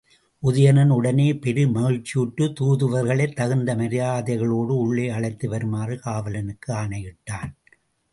உதயணன் உடனே பெருமகிழ்ச்சியுற்றுத் தூதுவர்களைத் தகுந்த மரியாதைகளோடு உள்ளே அழைத்து வருமாறு காவலனுக்கு ஆணையிட்டான்.